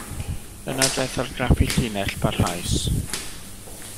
Yna daeth argraffu llinell, parhaus.